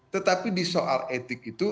tetapi di soal etiknya